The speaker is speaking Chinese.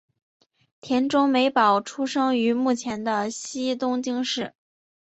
田中美保出生于目前的西东京市。